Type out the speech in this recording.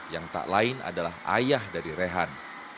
yang tak lain adalah ayah dari rehan